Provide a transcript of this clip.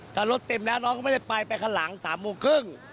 ถ้ารถเต็มแล้วน้องก็ไม่ได้ไปไปข้างหลัง๓โมงครึ่ง